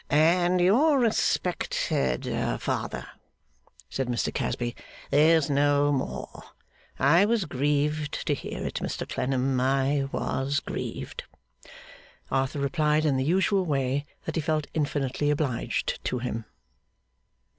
'And your respected father,' said Mr Casby, 'is no more! I was grieved to hear it, Mr Clennam, I was grieved.' Arthur replied in the usual way that he felt infinitely obliged to him.